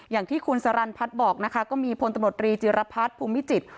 อย่างที่คุณสารันพัฒน์บอกนะคะก็มีพตจิรพรรษภูมิจิตร